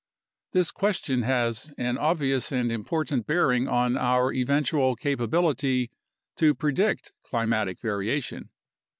This question has an obvious and important bearing on our eventual capability to predict climatic variation.